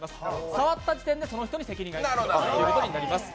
触った時点で、その人に責任があるということになります。